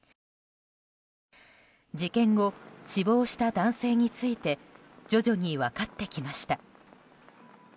事件後、死亡した男性について徐々に分かってきました。